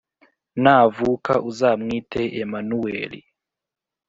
Navuka uzamwite emanueli